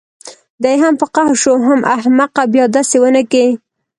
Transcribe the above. دى په قهر شو حم احمقه بيا دسې ونکې.